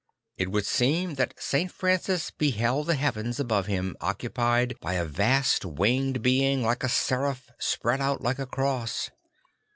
It would seem that St. Francis beheld the heavens above him occupied by a vast winged being like a sera ph spread out like a cross.